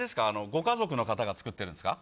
ご家族の方が作ってるんですか？